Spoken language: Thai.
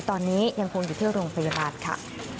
ตอนนี้ยังคงอยู่ที่โรงพยาบาลค่ะ